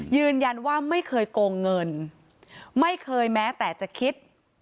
ยืนยันว่าไม่เคยโกงเงินไม่เคยแม้แต่จะคิด